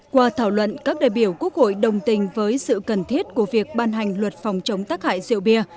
qua thảo luận các đại biểu quốc hội đồng tình với sự cần thiết của việc ban hành luật phòng chống tắc hại rượu bia